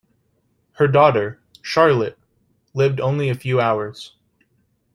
Her daughter, Charlotte, lived only a few hours.